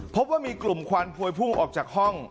พบว่ามีกลุ่มควันพวยพุ่งออกจากห้อง